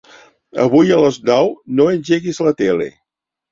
Avui a les nou no engeguis la tele.